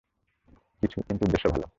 কিন্তু উদ্দেশ্য ভালো।